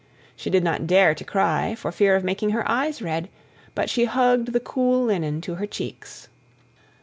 She did not dare to cry, for fear of making her eyes red, but she hugged the cool linen to her cheeks.